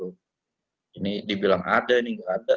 oh yaudah ada